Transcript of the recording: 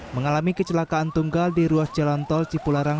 mengalami kecelakaan tunggal di ruas jalan tol cipularang